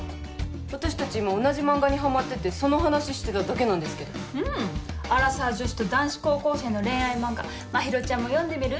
私達今同じ漫画にハマっててその話してただけなんですけどうんアラサー女子と男子高校生の恋愛漫画まひろちゃんも読んでみる？